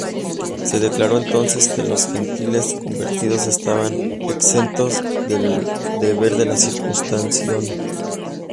Se declaró entonces que los gentiles convertidos estaban exentos del deber de la circuncisión.